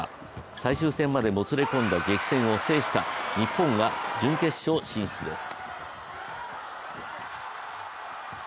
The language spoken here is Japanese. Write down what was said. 最終戦までもつれ込んだ激戦を制した日本が準決勝進出です。